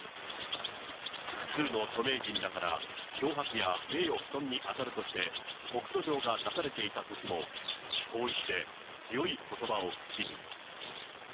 複数の著名人らから脅迫や名誉毀損に当たるとして告訴状が出されていたときも、で強いことばを口に。